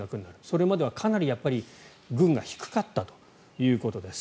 それまではかなり軍が低かったということです。